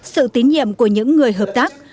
sự tín nhiệm của những người hợp tác